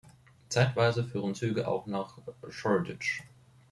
Zeitweise fuhren Züge auch nach Shoreditch.